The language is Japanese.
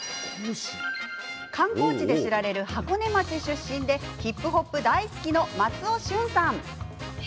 観光地で知られる箱根町出身でヒップホップ大好きの松尾駿さん。